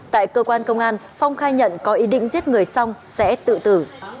tại cơ quan công an phong khai nhận có ý định giết người xong sẽ tự tử